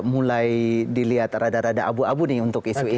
mulai dilihat rada rada abu abu nih untuk isu ini